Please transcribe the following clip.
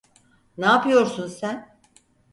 N'apıyorsun sen?